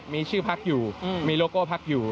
มีชื่อพักอยู่มีโลโก้พักอยู่